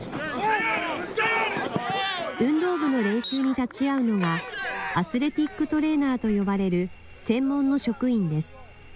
運動部の練習に立ち会うのが、アスレティックトレーナーと呼ばれる専門の職員です。